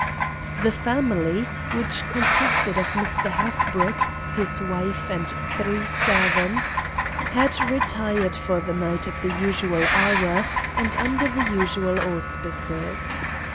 The family, which consisted of Mr. Hasbrouck, his wife, and three servants, had retired for the night at the usual hour and under the usual auspices.